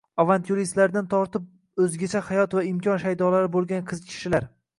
— avantyuristlardan tortib o‘zgacha hayot va imkon shaydolari bo‘lgan kishilar